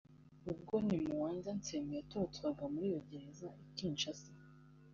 ubwo Ne Muanda Nsemi yatorotswaga muri iyo gereza i Kinshasa